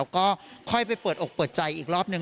ก็ค่อยไปเปิดอกเปิดใจอีกรอบนึง